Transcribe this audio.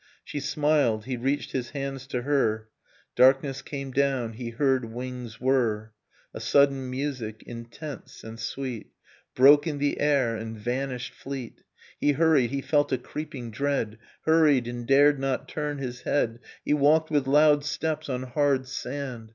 * She smiled, he reached his hands to her, Darkness came down, he heard wings whir, ■ Nocturne of Remembered Sprin fr A sudden music, intense and sweet, Broke in the air, and vanished fleet ... He hurried, he felt a creeping dread. Hurried, and dared not turn his head ... He walked with loud steps on hard sand.